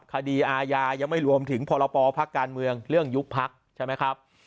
คดีอาญายังไม่รวมถึงพรปภักดิ์การเมืองเรื่องยุบพักใช่ไหมครับ